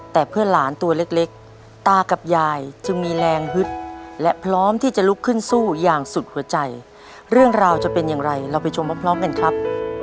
แต่เพื่อนหลานตัวเล็กตากับยายจึงมีแรงฮึดและพร้อมที่จะลุกขึ้นสู้อย่างสุดหัวใจเรื่องราวจะเป็นอย่างไรเราไปชมพร้อมกันครับ